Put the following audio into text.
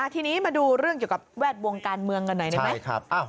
ทีนี้มาดูเรื่องเกี่ยวกับแวดวงการเมืองกันหน่อยได้ไหม